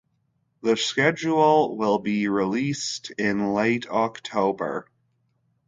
The Schedule will be released in late October.